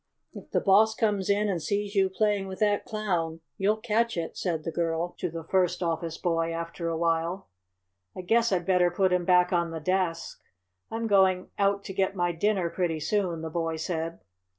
"If the Boss comes in and finds you playing with that Clown you'll catch it," said the girl to the first office boy, after a while. "I guess I'd better put him back on the desk. I'm going out to get my dinner pretty soon," the boy said.